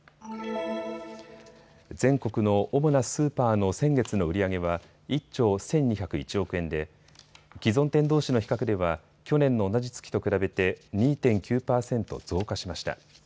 全国の主なスーパーの先月の売り上げは１兆１２０１億円で既存店どうしの比較では去年の同じ月と比べて２．９％増加しました。